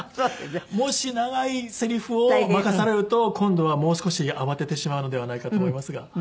もし長いセリフを任されると今度はもう少し慌ててしまうのではないかと思いますが。